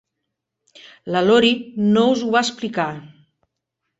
La Laurie no es ho va explicar.